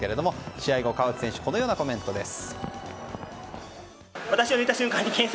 試合後、川内選手はこのようなコメントです。